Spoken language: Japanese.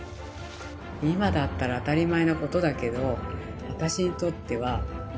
今だったら当たり前のことだけど私にとってはすごいこと。